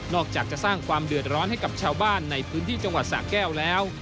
อกจากจะสร้างความเดือดร้อนให้กับชาวบ้านในพื้นที่จังหวัดสะแก้วแล้ว